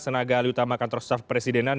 senagali utama kantor presidenan